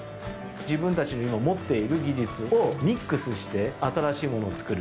自分たちの今持っている技術をミックスして新しいものを作る。